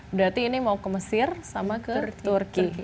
berarti ini mau ke mesir sama ke turki